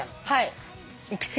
はい。